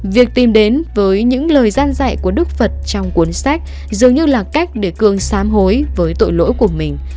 việc tìm đến với những lời gian dạy của đức phật trong cuốn sách dường như là cách để cường xám hối với tội lỗi của mình